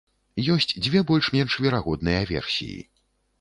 Ёсць дзве больш-менш верагодныя версіі.